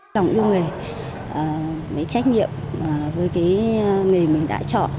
tổng yêu nghề trách nhiệm với nghề mình đã chọn